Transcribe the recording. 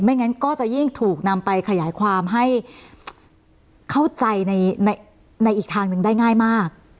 งั้นก็จะยิ่งถูกนำไปขยายความให้เข้าใจในอีกทางหนึ่งได้ง่ายมาก